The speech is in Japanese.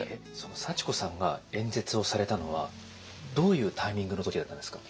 幸子さんが演説をされたのはどういうタイミングの時だったんですか？